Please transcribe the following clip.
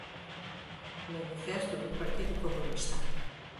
Manifesto do Partido Comunista